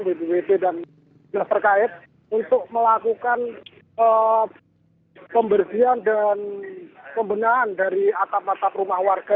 bpup dan jas terkait untuk melakukan pembersihan dan pembelaan dari atap atap rumah warga